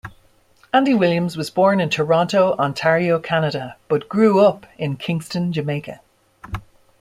Andy Williams was born in Toronto, Ontario, Canada, but grew up in Kingston, Jamaica.